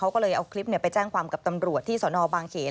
เขาก็เลยเอาคลิปไปแจ้งความกับตำรวจที่สนบางเขน